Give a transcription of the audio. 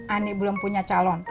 ani belum punya calon